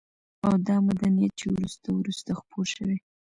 او دا مدنيت چې وروسته وروسته خپور شوى